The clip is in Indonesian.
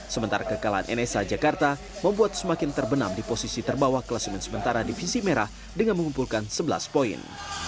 sementara kekalahan nsh jakarta membuat semakin terbenam di posisi terbawah kelas men sementara divisi merah dengan mengumpulkan sebelas poin